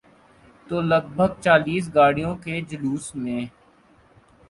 تو لگ بھگ چالیس گاڑیوں کے جلوس میں۔